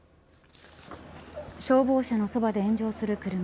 消防車のそばで炎上する車。